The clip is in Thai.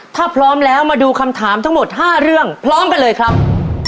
ถ้าพร้อมแล้วมาดูคำถามทั้งหมด๕เรื่องพร้อมกันเลยครับ